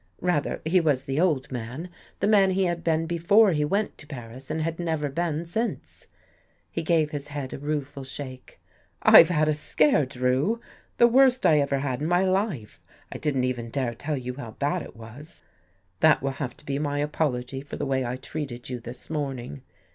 Rather, he was the old man — the man he had been before he went to Paris and had never been since. He gave his head a rueful shake. " I've had a scare. Drew. The worst I ever had in my life. I didn't even dare tell you how bad it was. That will have to be my apology for the way I treated you this morning.